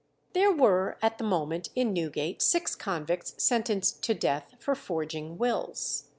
There were at the moment in Newgate six convicts sentenced to death for forging wills.